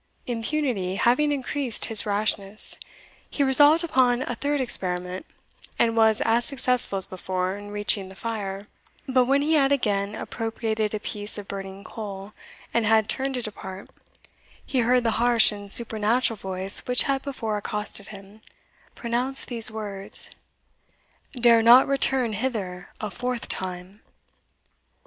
Impunity having increased his rashness, he resolved upon a third experiment, and was as successful as before in reaching the fire; but when he had again appropriated a piece of burning coal, and had turned to depart, he heard the harsh and supernatural voice which had before accosted him, pronounce these words, "Dare not return hither a fourth time!"